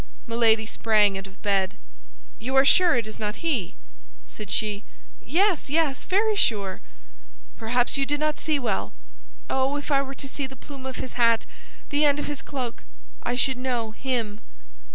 Milady sprang out of bed. "You are sure it is not he?" said she. "Yes, yes, very sure!" "Perhaps you did not see well." "Oh, if I were to see the plume of his hat, the end of his cloak, I should know _him!